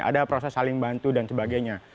ada proses saling bantu dan sebagainya